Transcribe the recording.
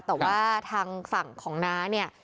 แต่ว่าทางฝั่งของน้าเนี่ย